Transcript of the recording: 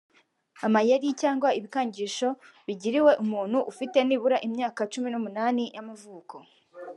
amayeri cyangwa ibikangisho bigiriwe umuntu ufite nibura imyaka cumi n’umunani y’amavuko